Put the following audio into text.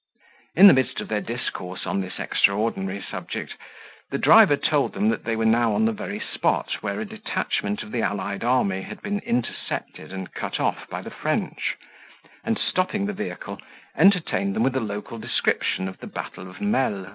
In the midst of their discourse on this extraordinary subject, the driver told them that they were now on the very spot where a detachment of the allied army had been intercepted and cut off by the French: and, stopping the vehicle, entertained them with a local description of the battle of Melle.